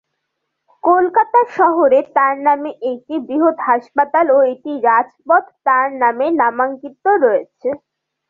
কলকাতা শহরে তার নামে একটি বৃহৎ হাসপাতাল ও একটি রাজপথ তার নামে নামাঙ্কিত রয়েছে।